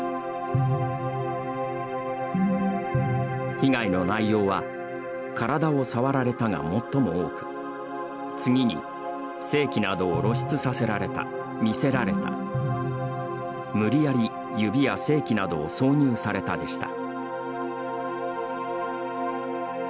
被害の内容は「体を触られた」が最も多く次に、「性器などを露出させられた、見せられた」「無理やり指や性器などを挿入された」でした。